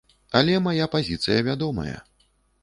Але мая пазіцыя вядомая.